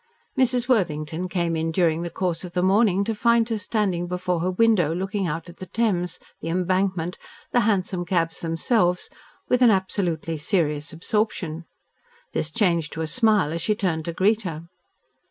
Mrs. Worthington came in during the course of the morning to find her standing before her window looking out at the Thames, the Embankment, the hansom cabs themselves, with an absolutely serious absorption. This changed to a smile as she turned to greet her.